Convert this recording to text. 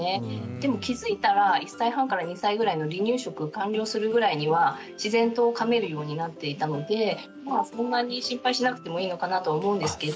でも気付いたら１歳半から２歳ぐらいの離乳食完了するぐらいには自然とかめるようになっていたのでそんなに心配しなくてもいいのかなと思うんですけど。